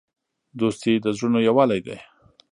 دوستي د زړونو یووالی دی.